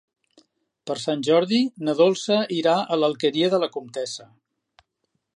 Per Sant Jordi na Dolça irà a l'Alqueria de la Comtessa.